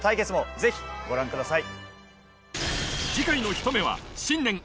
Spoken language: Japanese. ぜひご覧ください。